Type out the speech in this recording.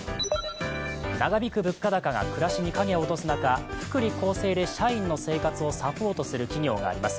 長引く物価高が暮らしに影を落とす中福利厚生で社員の生活をサポートする企業があります。